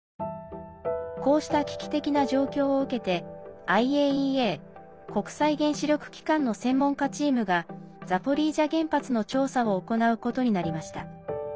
こうした危機的な状況を受けてＩＡＥＡ＝国際原子力機関の専門家チームがザポリージャ原発の調査を行うことになりました。